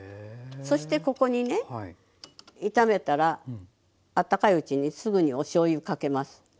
そしてここにね炒めたらあったかいうちにすぐにおしょうゆかけます。